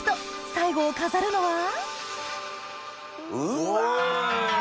最後を飾るのはうわ！